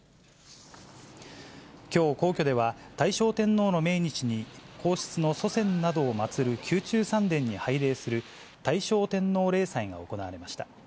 きょう、皇居では、大正天皇の命日に、皇室の祖先などを祭る宮中三殿に拝礼する大正天皇例祭が行われました。